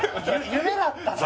夢だったの。